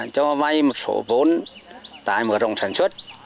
cho vay một số vốn tại một rộng sản xuất